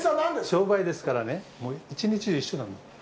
商売ですからね一日中一緒なの。